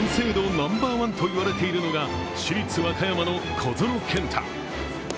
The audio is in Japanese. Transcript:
ナンバーワンといわれているのが、市立和歌山の小園健太。